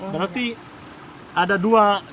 berarti ada dua jenis